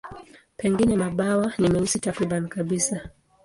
Pengine mabawa ni meusi takriban kabisa.